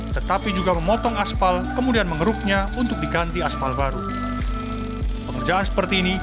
tetapi juga memotong aspal kemudian mengeruknya untuk diganti aspal baru pengerjaan seperti ini